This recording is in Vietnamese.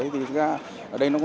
thì thực ra ở đây nó không có gì